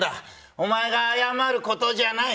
お前が謝ることじゃない。